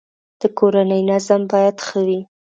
د کورنی نظم باید ښه وی